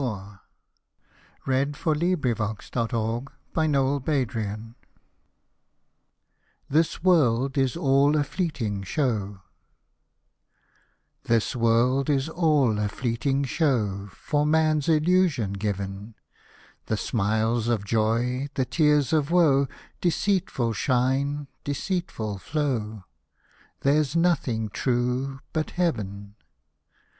Thou think'st the while on me. Hosted by Google SACRED SONGS THIS WORLD IS ALL A FLEETING SHOW This world is all a fleeting show, For man's illusion given ; The smiles of Joy, the tears of Woe, Deceitful shine, deceitful flow — There's nothing true but Heaven